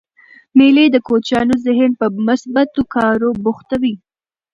مېلې د کوچنيانو ذهن په مثبتو کارو بوختوي.